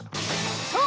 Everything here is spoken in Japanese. そう。